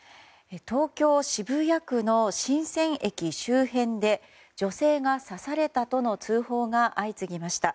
東京・渋谷区の神泉駅周辺で女性が刺されたとの通報が相次ぎました。